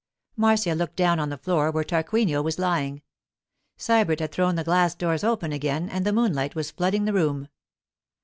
Marcia looked down on the floor where Tarquinio was lying. Sybert had thrown the glass doors open again and the moonlight was flooding the room.